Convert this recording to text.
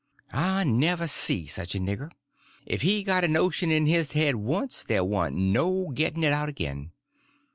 I never see such a nigger. If he got a notion in his head once, there warn't no getting it out again.